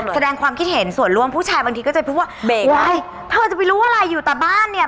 แสดงความคิดเห็นส่วนร่วมผู้ชายบางทีก็จะพูดว่าเบรกได้เธอจะไปรู้อะไรอยู่แต่บ้านเนี่ย